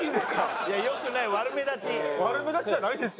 悪目立ちじゃないですよ。